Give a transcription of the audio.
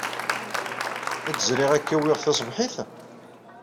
Ad d-zriɣ ad k-awyeɣ taṣebḥit?